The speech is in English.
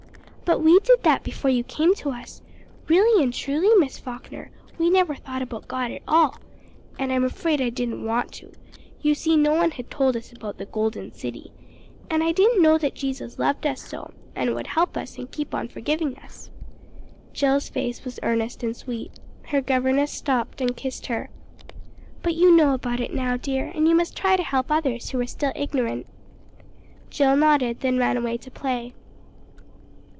"But we did that before you came to us. Really and truly, Miss Falkner, we never thought about God at all. And I'm afraid I didn't want to. You see no one had told us about the Golden City. And I didn't know that Jesus loved us so, and would help us, and keep on forgiving us." Jill's face was earnest and sweet. Her governess stooped and kissed her. "But you know about it now, dear, and you must try to help others who are still ignorant." Jill nodded, then ran away to play.